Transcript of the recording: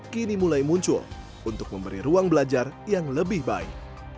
kini mulai muncul untuk memberi ruang belajar yang lebih baik